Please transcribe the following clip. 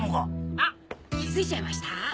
あっ気付いちゃいました？